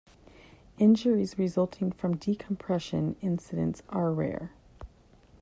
Injuries resulting from decompression incidents are rare.